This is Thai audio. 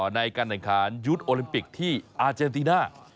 ในการแข่งขันยุทธ์โอลิมปิกที่อาเจนติน่า